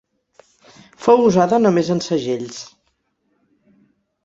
Fou usada només en segells.